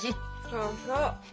そうそう。